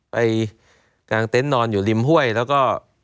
กลางเต็นต์นอนอยู่ริมห้วยแล้วก็